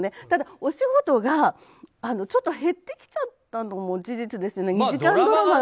ただ、お仕事がちょっと減ってきちゃったのも事実ですよね。